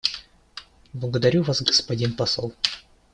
Благодарю Вас, господин посол.